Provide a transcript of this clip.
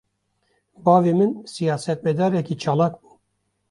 Bavê min, siyasetmedarekî çalak bû